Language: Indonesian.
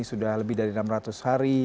sudah lebih dari enam ratus hari